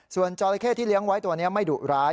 ส่วนจราเข้ที่เลี้ยงไว้ตัวนี้ไม่ดุร้าย